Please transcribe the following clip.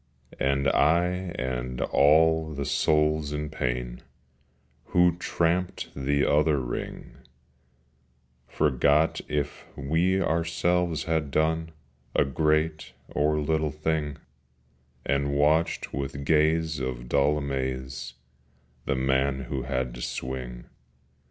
And I and all the souls in pain, Who tramped the other ring, Forgot if we ourselves had done A great or little thing, And watched with gaze of dull amaze The man who had to swing.